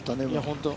本当。